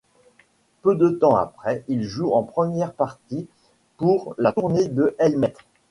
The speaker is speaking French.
Peu de temps après ils jouent en première partie pour la tournée de Helmet.